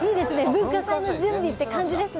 文化祭の準備って感じですね。